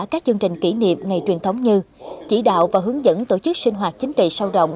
các chương trình kỷ niệm ngày truyền thống như chỉ đạo và hướng dẫn tổ chức sinh hoạt chính trị sâu rộng